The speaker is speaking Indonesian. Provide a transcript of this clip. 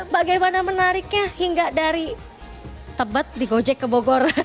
bagaimana menariknya hingga dari tebet di gojek ke bogor